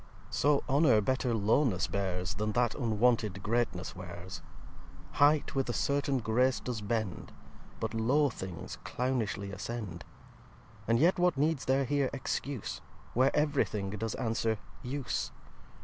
viii So Honour better Lowness bears, Then That unwonted Greatness wears Height with a certain Grace does bend, But low Things clownishly ascend. And yet what needs there here Excuse, Where ev'ry Thing does answer Use?